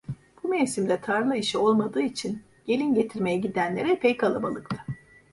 Bu mevsimde tarla işi olmadığı için, gelin getirmeye gidenler epey kalabalıktı.